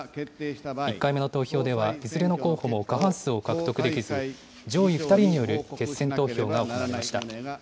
１回目の投票では、いずれの候補も過半数を獲得できず、上位２人による決選投票が行われました。